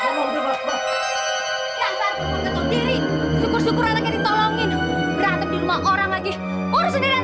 urusin diri anak lo